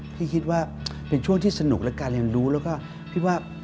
พี่คิดว่าเป็นช่วงที่สนุกและการเรียนรู้แล้วก็พี่ว่า